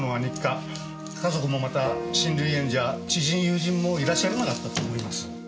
家族もまた親類縁者知人友人もいらっしゃらなかったと思います。